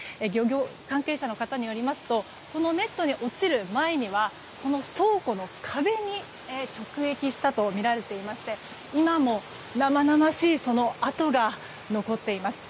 関係者の方によりますとこのネットに落ちる前には倉庫の壁に直撃したとみられていまして今も生々しいその跡が残っています。